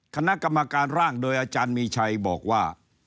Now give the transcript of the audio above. คณะกรรมการร่างโดยอาจารย์มีชัยบอกว่า